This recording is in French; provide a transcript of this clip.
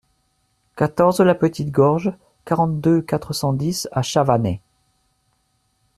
quatorze la Petite Gorge, quarante-deux, quatre cent dix à Chavanay